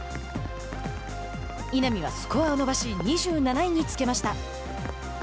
稲見はスコアを伸ばし２７位につけました。